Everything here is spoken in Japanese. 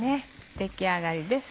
出来上がりです。